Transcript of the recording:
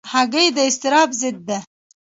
هګۍ د اضطراب ضد ده.